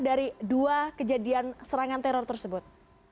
dari dua kejadian serangan teror tersebut